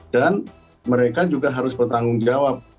mereka juga harus bertanggung jawab